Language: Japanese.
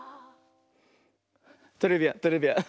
トレビアントレビアン。